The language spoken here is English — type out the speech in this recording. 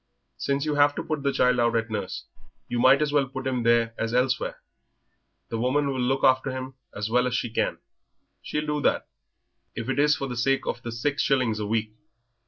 "Since you have to put the child out to nurse, you might as well put him there as elsewhere; the woman will look after him as well as she can she'll do that, if it is for the sake of the six shillings a week."